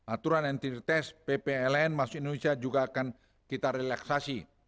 aturan entitas ppln masuk indonesia juga akan kita relaksasi